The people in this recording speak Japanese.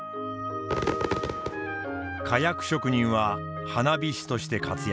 火薬職人は花火師として活躍。